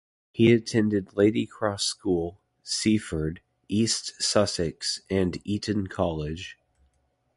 He attended Ladycross School, Seaford, East Sussex and Eton College.